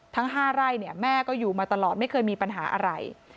ทั้ง๕ไร่แม่ก็อยู่มาตลอดไม่เคยมีปัญหาอะไร